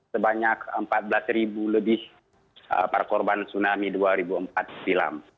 sebanyak empat belas ribu lebih para korban tsunami dua ribu empat silam